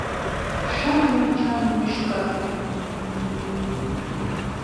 Шым лончан мӱшкыр!